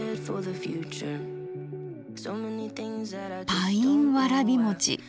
パインわらびもち。